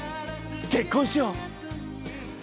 結婚しよう！